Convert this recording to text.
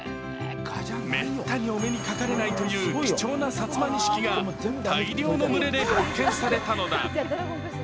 めったにお目にかかれないという貴重なサツマニシキが大量の群れで発見されたのだ。